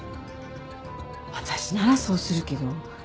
私ならそうするけど。